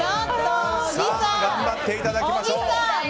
頑張っていただきましょう。